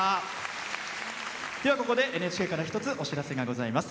では、ここでＮＨＫから一つお知らせがございます。